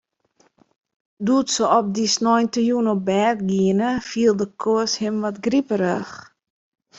Doe't se op dy sneintejûn op bêd giene, fielde Koos him wat griperich.